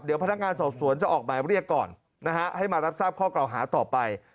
เดี๋ยวพนักงานสอบสวนจะออกหมายเรียกก่อนนะฮะให้มารับทราบข้อเก่าหาต่อไป